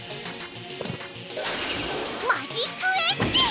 「マジックエッジ」！